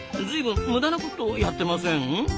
ずいぶん無駄なことをやってません？